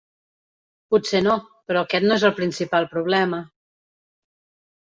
Potser no, però aquest no és el principal problema.